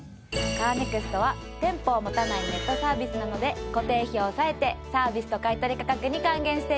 カーネクストは店舗を持たないネットサービスなので固定費を抑えてサービスと買い取り価格に還元しています。